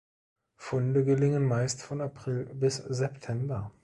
Funde gelingen meist von April bis September.